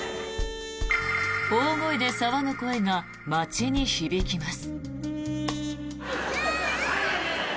大声で騒ぐ声が街に響きます。